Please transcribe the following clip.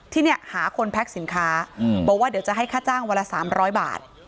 ที่เนี่ยหาคนแพ็คสินค้าบอกว่าเดี๋ยวจะให้ค่าจ้างวันละ๓๐๐บาท